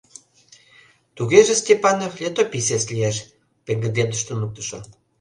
— Тугеже Степанов летописец лиеш, — пеҥгыдемдыш туныктышо.